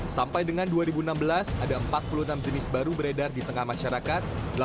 sampai dengan dua ribu enam belas ada empat puluh enam jenis baru beredar di tengah masyarakat